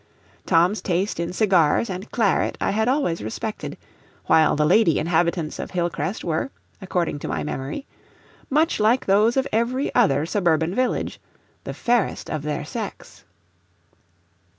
Tom's taste in cigars and claret I had always respected, while the lady inhabitants of Hillcrest were, according to my memory, much like those of every other suburban village, the fairest of their sex.